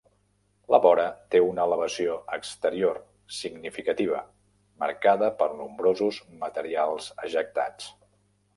La vora té una elevació exterior significativa, marcada per nombrosos materials ejectats.